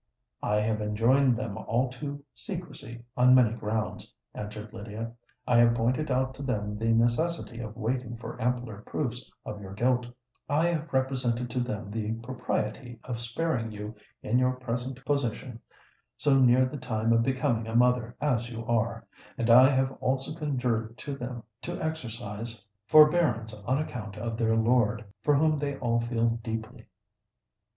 "I have enjoined them all to secrecy on many grounds," answered Lydia: "I have pointed out to them the necessity of waiting for ampler proofs of your guilt—I have represented to them the propriety of sparing you in your present position, so near the time of becoming a mother as you are—and I have also conjured them to exercise forbearance on account of their lord, for whom they all feel deeply."